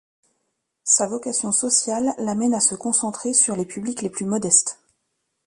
Sa vocation sociale l'amène à se concentrer sur les publics les plus modestes.